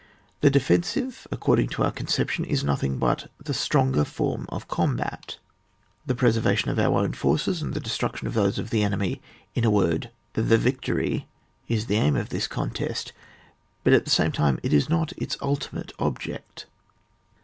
The defensive, according to our con ception, is nothing hut the Btrongerform of combat. The preservation of our own forces and the destruction of those of the enemy — in a word, the victory — is the aim of this contest, but at the same time not its ultimate object.